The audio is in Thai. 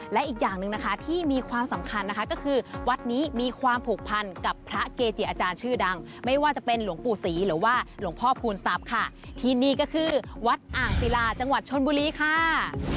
และอีกอย่างหนึ่งนะคะที่มีความสำคัญนะคะก็คือวัดนี้มีความผูกพันกับพระเกจิอาจารย์ชื่อดังไม่ว่าจะเป็นหลวงปู่ศรีหรือว่าหลวงพ่อพูนทรัพย์ค่ะที่นี่ก็คือวัดอ่างศิลาจังหวัดชนบุรีค่ะ